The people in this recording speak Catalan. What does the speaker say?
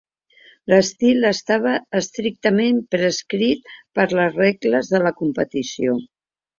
L'estil estava estrictament prescrit per les regles de la competició.